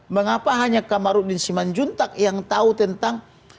mengapa hanya kamarudin simanjuntak yang tahu tentang